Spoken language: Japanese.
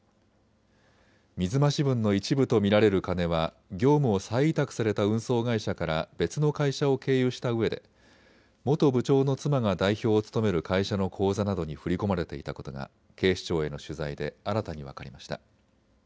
水増し分の一部と見られる金は業務を再委託された運送会社から別の会社を経由したうえで元部長の妻が代表を務める会社の口座などに振り込まれていたことが警視庁への取材で新たに分かりました。